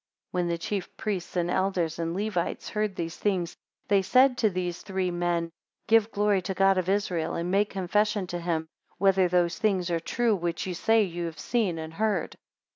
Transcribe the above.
22 When the chief priests and elders, and Levites heard these things, they said to these three men, Give glory to the God of Israel, and make confession to him, whether those things are true, which ye say ye have seen and heard.